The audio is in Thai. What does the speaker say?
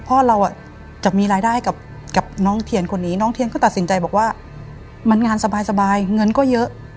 พ่อเราจะมีรายได้กับน้องเทียนคนนี้น้องเทียนก็ตัดสินใจบอกว่ามันงานสบายเงินก็เยอะ